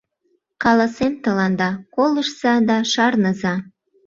— Каласем тыланда: колыштса да шарныза!